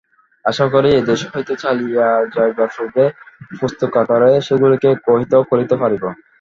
আশা করি এদেশ হইতে চলিয়া যাইবার পূর্বে পুস্তকাকারে সেগুলিকে গ্রথিত করিতে পারিব।